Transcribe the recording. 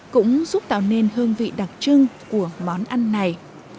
cũng giúp tạo nên hương vị đặc trưng của món ăn này